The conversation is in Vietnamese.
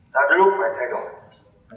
đã đến lúc phải thay đổi